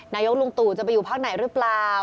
นายกลุงตู่จะไปอยู่พักไหนหรือเปล่า